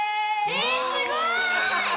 えすごい！